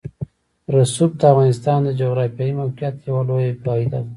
رسوب د افغانستان د جغرافیایي موقیعت یوه لویه پایله ده.